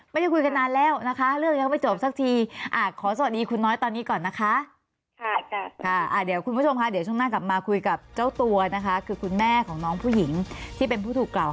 มีความรู้สึกว่าไหวล็อตเตอรี่เป็นใครหรือมีความรู้สึกว่าไหวล็อตเตอรี่เป็นใคร